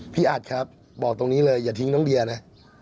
อัดครับบอกตรงนี้เลยอย่าทิ้งน้องเบียร์นะ